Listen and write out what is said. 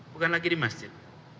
bukan lagi di masjid